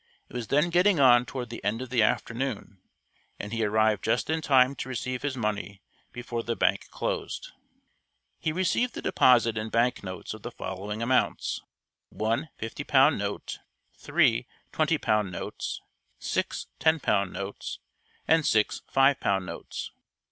It was then getting on toward the end of the afternoon, and he arrived just in time to receive his money before the bank closed. He received the deposit in bank notes of the following amounts: one fifty pound note, three twenty pound notes, six ten pound notes, and six five pound notes.